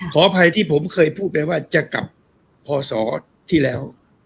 ขออภัยที่ผมเคยพูดไปว่าจะกลับพศที่แล้ว